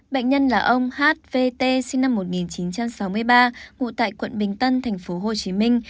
bệnh nhân là ông h v t sinh năm một nghìn chín trăm sáu mươi ba ngụ tại quận bình tân thành phố hồ chí minh